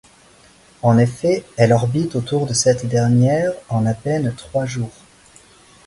En effet, elle orbite autour de cette dernière en à peine trois jours.